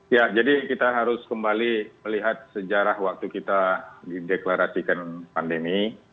ya jadi kita harus kembali melihat sejarah waktu kita dideklarasikan pandemi